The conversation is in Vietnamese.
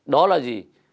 đó là gì